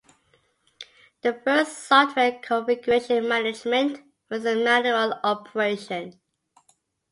The first software configuration management was a manual operation.